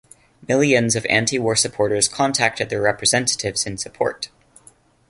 Millions of antiwar supporters contacted their representatives in support.